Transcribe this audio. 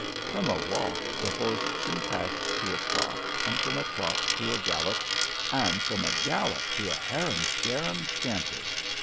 " From a walk the horse soon passed to a trot, from a trot to a gallop, and from a gallop to a harum scarum scamper.